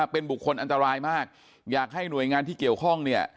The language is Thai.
เป็นบุคคลอันตรายมากอยากให้หน่วยงานที่เกี่ยวข้องเนี่ย